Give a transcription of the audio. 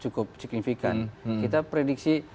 cukup signifikan kita prediksi